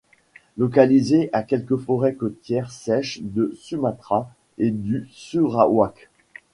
Localisé à quelques forêts côtières sèches de Sumatra et du Sarawak.